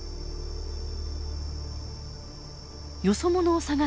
よそ者を探す